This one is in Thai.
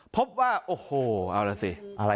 พบว่าโอ้โหเอาล่ะสิ